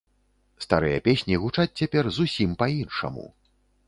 Старыя песні гучаць цяпер зусім па-іншаму.